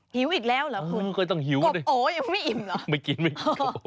ฮิวอีกแล้วเหรอคุณกบโอยังไม่อิ่มเหรอไม่กินไม่เกา